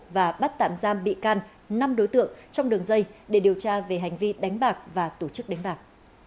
và bắt tạm giam bị can năm đối tượng trong đường dây để điều tra về hành vi đánh bạc và tổ chức đánh bạc